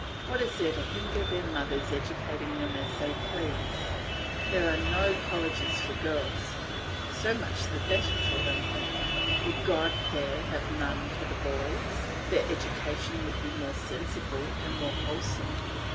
What is there to hinder their mothers educating them as they please? There are no colleges for girls; so much the better for them! Would God there were none for the boys, their education would be more sensible and more wholesome.